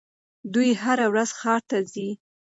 دوی هره ورځ ښار ته ځي.